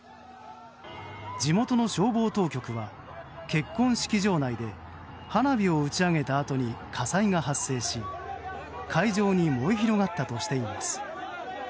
地元の消防当局は結婚式場内で花火を打ち上げたあとに火災が発生し会場に燃え広がったとしています。